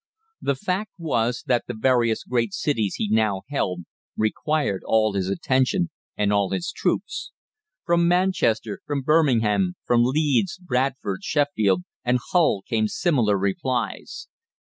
The fact was that the various great cities he now held required all his attention and all his troops. From Manchester, from Birmingham, from Leeds, Bradford, Sheffield, and Hull came similar replies.